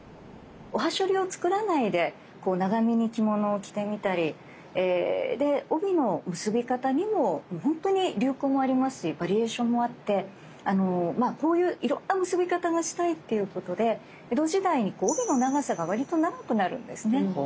おはしょりを作らないで長めに着物を着てみたり帯の結び方にもほんとに流行もありますしバリエーションもあってこういういろんな結び方がしたいっていうことで江戸時代に帯の長さがわりと長くなるんですね。